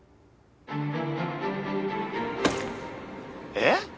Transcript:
えっ？